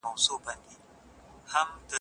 هر څوک د خپلو اعمالو ځواب ویونکی دی.